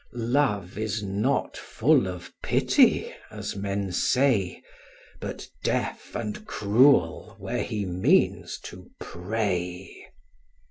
Love is not full of pity, as men say, But deaf and cruel where he means to prey.